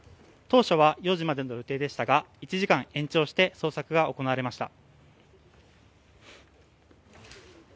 当初は４時までの予定でしたが１時間延長して捜索が行われました。